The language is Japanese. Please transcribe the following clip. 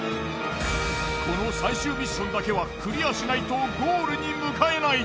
この最終ミッションだけはクリアしないとゴールに向かえない。